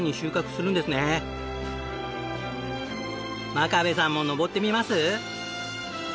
真壁さんも登ってみます？